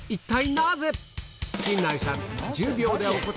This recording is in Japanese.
なぜ？